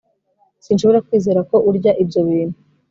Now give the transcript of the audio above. Sinshobora kwizera ko urya ibyo bintu